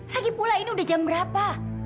lagi pula ini udah jam berapa